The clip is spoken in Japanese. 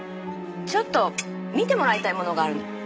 ちょっと見てもらいたいものがあるの。